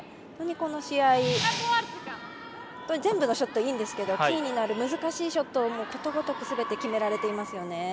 本当に、この試合全部のショットいいんですけどキーになる難しいショットをことごとくすべて決められていますよね。